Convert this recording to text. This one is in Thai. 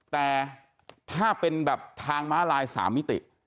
แต่ถ้าเป็นแบบทางม้าลาย๓มิติ